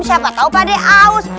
siapa tau pade aus